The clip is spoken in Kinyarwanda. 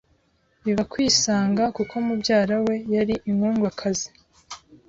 biba kwisanga kuko mubyara we yari inkundwakazi.